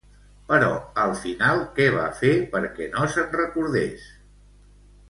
Però al final què va fer perquè no se'n recordés?